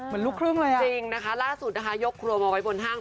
เหมือนลูกคลงเลยอ่ะจริงนะคะล่าสุดแล้วค๊ายกครัวมันไว้บนห้าง